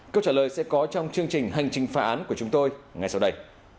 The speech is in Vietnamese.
câu trả lời sẽ có trong chương trình hành trình phá án của chúng tôi ngay sau đây